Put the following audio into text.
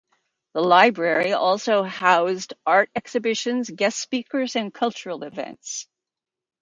The library also housed art exhibitions, guest speakers and cultural events.